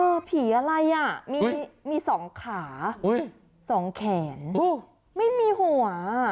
ผีอะไรอ่ะมีสองขาสองแขนไม่มีหัว